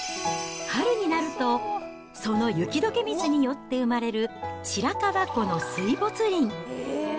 春になると、その雪どけ水によって生まれる白川湖の水没林。